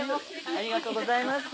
ありがとうございます。